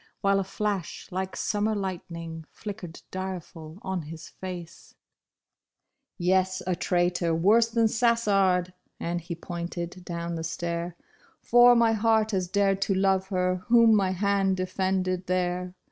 While a flash Hke summer lightning, flickered dire ful on his face. THROUGH THE TREES. g " Yes, a traitor worse than Sassard ;" and he pointed down the stair, " For my heart has dared to love her whom my hand defended there.